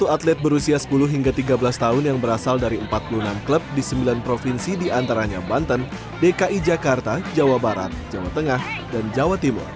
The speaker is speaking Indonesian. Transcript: dua puluh atlet berusia sepuluh hingga tiga belas tahun yang berasal dari empat puluh enam klub di sembilan provinsi diantaranya banten dki jakarta jawa barat jawa tengah dan jawa timur